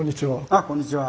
あっこんにちは。